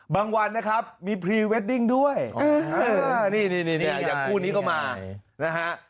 วันนะครับมีพรีเวดดิ้งด้วยนี่อย่างคู่นี้ก็มานะฮะ